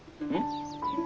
うん？